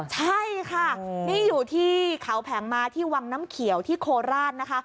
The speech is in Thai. ใช่ค่ะนี่อยู่ที่เขาแผงม้าที่วังน้ำเขียวที่โคราชนะคะ